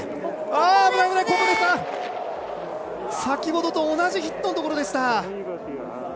先ほどと同じヒットのところでした。